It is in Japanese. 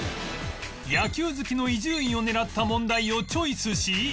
野球好きの伊集院を狙った問題をチョイスし